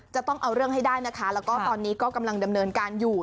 จะต้องเอาเรื่องให้ได้นะคะแล้วก็ตอนนี้ก็กำลังดำเนินการอยู่